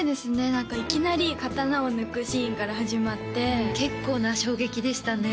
何かいきなり刀を抜くシーンから始まって結構な衝撃でしたね